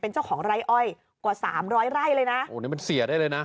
เจ้าของไร่อ้อยกว่าสามร้อยไร่เลยนะโอ้นี่มันเสียได้เลยนะ